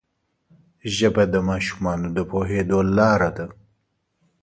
ژبه د ماشومانو د پوهېدو لاره ده